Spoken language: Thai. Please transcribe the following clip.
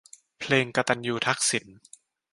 เพลง กตัญญูทักษิณ